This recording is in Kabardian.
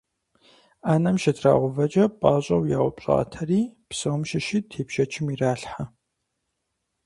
Ӏэнэм щытрагъэувэкӀэ пӀащӀэу яупщӀатэри, псом щыщи тепщэчым иралъхьэ.